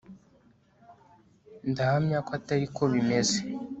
ndahamya ko atari ko bimeze